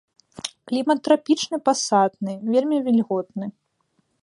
Клімат трапічны пасатны, вельмі вільготны.